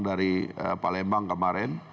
dari palembang kemarin